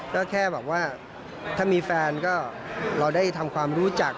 ก็แค่แบบว่าถ้ามีแฟนก็เราได้ทำความรู้จัก